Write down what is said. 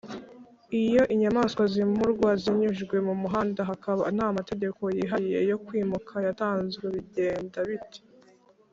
iyo inyamaswa zimurwa zinyujijwe mumuhanda hakaba ntamategeko yihariye yo kwimuka yatanzwe bigenda bite